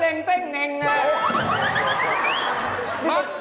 เดี๋ยวเสียเหล็งเต้นไมุ่ย